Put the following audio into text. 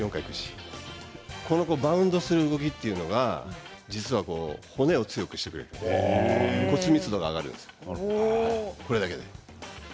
このバウンドする動きというのが実は骨を強くしてくれる骨密度が上がるんですこれだけで。